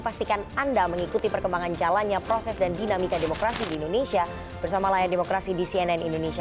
pastikan anda mengikuti perkembangan jalannya proses dan dinamika demokrasi di indonesia bersama layar demokrasi di cnn indonesia